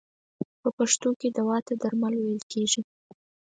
په پښتو کې دوا ته درمل ویل کیږی.